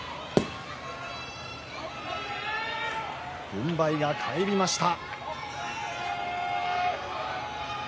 軍配が返りました。